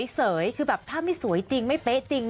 คือแบบถ้าไม่สวยจริงไม่เป๊ะจริง